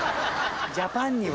ジャパンには。